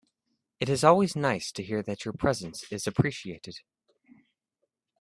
It is always nice to hear that your presence is appreciated.